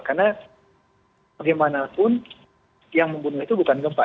karena bagaimanapun yang membunuh itu bukan gempa